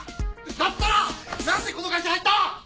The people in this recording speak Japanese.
だったらなんでこの会社入った！